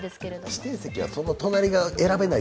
指定席は隣が選べない、